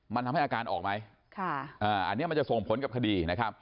มันทำให้อาการออกไหมอันนี้จะส่งผลกับคดี